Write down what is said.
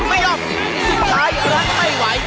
ไม่ยอมสุดท้ายเอาะเลิกไม่ไหว